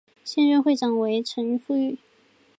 现任会长为陈福裕。